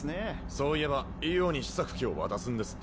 そういえばイオに試作機を渡すんですって？